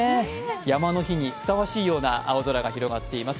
山の日にふさわしいような青空が広がっています。